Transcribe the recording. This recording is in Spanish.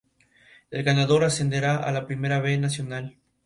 El ganador ascenderá a la Primera B Nacional.